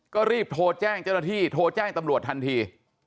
ก็รีบโทรแจ้งเจ้าหน้าที่โทรแจ้งตำรวจทันที